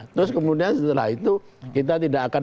terus kemudian setelah itu kita tidak akan